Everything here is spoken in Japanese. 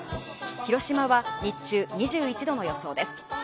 広島は日中２１度の予想です。